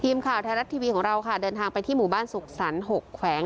ทีมข่าวไทยรัฐทีวีของเราค่ะเดินทางไปที่หมู่บ้านสุขสรรค์๖แขวง